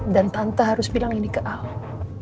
dan tante harus bilang ini ke paal